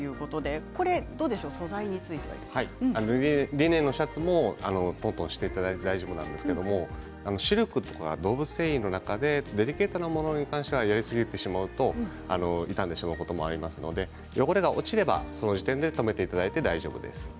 リネンのシャツもとんとんしていただいて大丈夫なんですけどシルクとか動物繊維のなんかでデリケートなものに関してはやりすぎてしまうと傷んでしまうこともありますので汚れが落ちれば、その時点でやめていただいて大丈夫です。